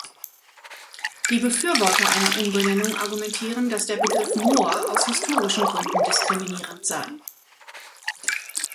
Die Befürworter einer Umbenennung argumentieren, dass der Begriff Mohr aus historischen Gründen diskriminierend sei.